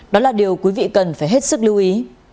đó là điều quý vị cần phải hết sức lưu ý